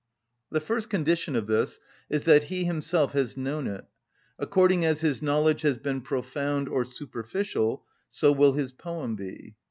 The first condition of this is that he himself has known it; according as his knowledge has been profound or superficial so will his poem be.